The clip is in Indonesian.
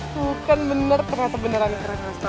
tuh kan bener perata beneran restoran ya